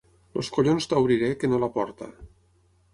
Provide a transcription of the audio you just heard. Els collons t'obriré, que no la porta.